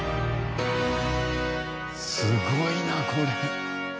すごいなこれ。